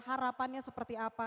harapannya seperti apa